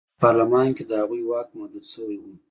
په پارلمان کې د هغوی واک محدود شوی و.